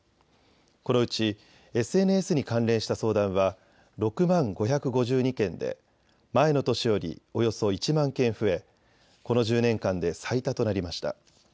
このうちＳＮＳに関連した相談は６万５５２件で前の年よりおよそ１万件増え、この１０年間で最多となりました。